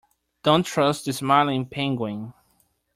Don't trust the smiling penguin.